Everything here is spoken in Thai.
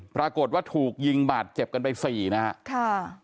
ปรากฏว่าถูกยิงบาดเจ็บกันไปสี่นะฮะค่ะ